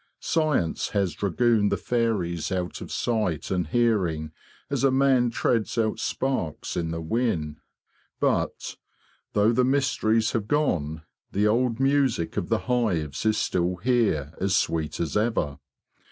Science has dragooned the fairies out of sight and hearing as a man treads out sparks in the whin. But, though the mysteries have gone, the old music of the hives is still here as sweet as ever.